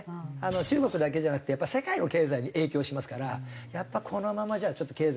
中国だけじゃなくてやっぱ世界の経済に影響しますからやっぱこのままじゃちょっと経済。